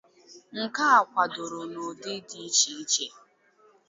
nke a kwadoro n'ụdị dị iche iche